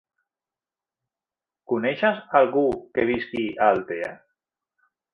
Coneixes algú que visqui a Altea?